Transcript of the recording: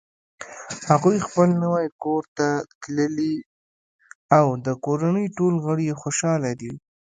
هغوی خپل نوی کور ته تللي او د کورنۍ ټول غړ یی خوشحاله دي